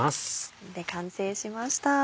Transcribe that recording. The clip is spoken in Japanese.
これで完成しました。